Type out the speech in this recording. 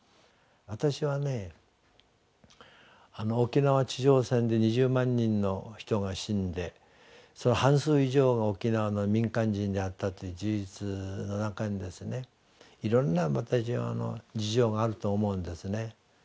私はね沖縄地上戦で２０万人の人が死んでその半数以上が沖縄の民間人であったという事実の中にですねいろんな事情があると思うんですね。